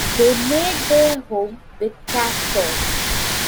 They made their home in Casper.